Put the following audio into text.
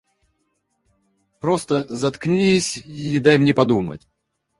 Просто заткнись и дай мне подумать!